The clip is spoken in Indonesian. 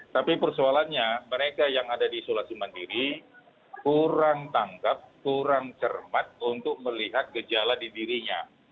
tapi persoalannya mereka yang ada di isolasi mandiri kurang tangkap kurang cermat untuk melihat gejala di dirinya